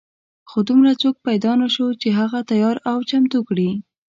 خو دومره څوک پیدا نه شو چې هغه تیار او چمتو کړي.